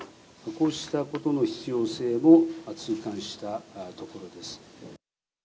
こうしたことの必要性も痛感したところです。